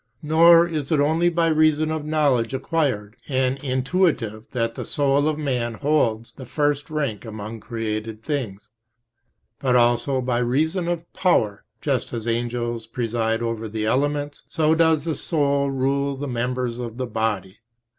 Nor is it only by reason of knowledge acquired and intuitive that the soul of man holds the first rank among created things, but also by reason of power. Just as angels preside over the elements, so does the soul rule the members of the body.